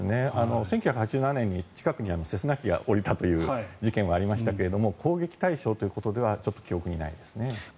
１９８７年に近くにセスナ機が下りたという事件はありましたが攻撃対象ということでは記憶にないですね。